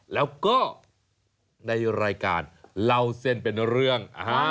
แล้วก็ในรายการเล่าเส้นเป็นเรื่อง